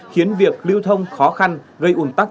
khiến việc lưu thông khó khăn gây ủng tắc